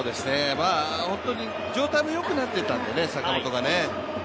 本当に状態も良くなっていたんでね、坂本がね。